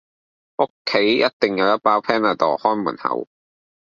屋企一定一包 Panadol 看門口